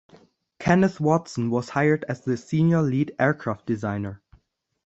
Kenneth Watson was hired as the senior lead aircraft designer.